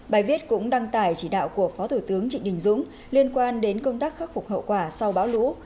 bài viết cũng đăng tải chỉ đạo của phó thủ tướng trịnh đình dũng liên quan đến công tác khắc phục hậu quả sau bão lũ